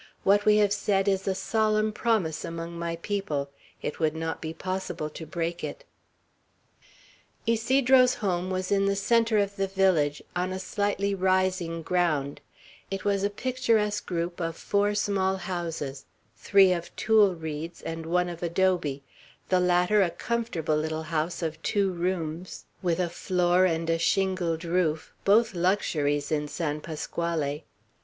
"What we have said is a solemn promise among my people; it would not be possible to break it." Ysidro's home was in the centre of the village, on a slightly rising ground; it was a picturesque group of four small houses, three of tule reeds and one of adobe, the latter a comfortable little house of two rooms, with a floor and a shingled roof, both luxuries in San Pasquale.